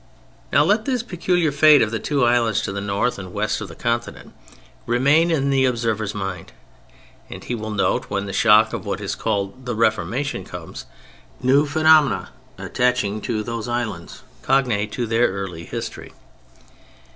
Now let this peculiar fate of the two islands to the north and west of the Continent remain in the observer's mind, and he will note, when the shock of what is called "the Reformation" comes, new phenomena attaching to those islands, cognate to their early history.